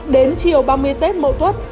đến chiều ba mươi tết mậu tuất